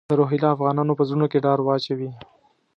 د روهیله افغانانو په زړونو کې ډار واچوي.